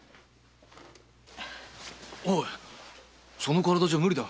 おいその体じゃ無理だ。